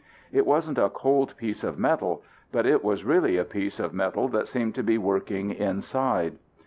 It wasn't a cold piece of metal, but it was really a piece of metal that seemed to be working inside.